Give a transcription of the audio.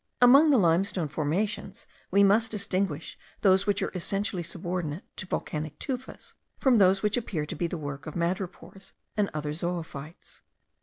Among the limestone formations we must distinguish those which are essentially subordinate to volcanic tufas* from those which appear to be the work of madrepores and other zoophytes.